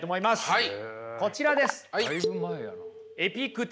はい。